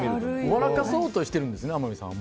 わらかそうとしてるんですね天海さんは。